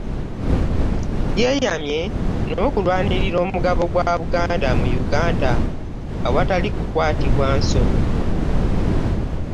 Yeeyamye n'okulwanirira omugabo gwa Buganda mu Uganda awatali kukwatibwa nsonyi.